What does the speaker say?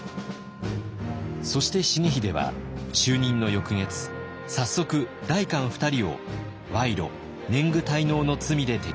そして重秀は就任の翌月早速代官二人を賄賂年貢滞納の罪で摘発。